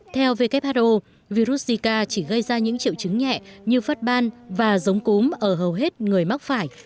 theo who virus zika chỉ gây ra những triệu chứng nhẹ như phát ban và giống cúm ở hầu hết người mắc phải